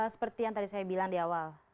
seperti yang tadi saya bilang di awal